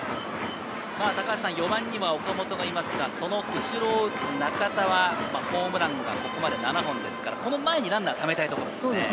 ４番には岡本がいますが、その後ろを打つ中田は、ホームランがここまで７本ですから、この前にランナーをためたいところですね。